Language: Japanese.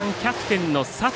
３番、キャプテンの佐藤。